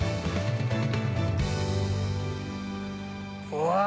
うわ